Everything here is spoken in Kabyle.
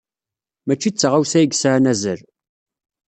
Maci d taɣawsa ay yesɛan azal.